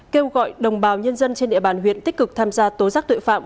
kêu gọi đồng bào nhân dân trên địa bàn huyện tích cực tham gia tố giác tội phạm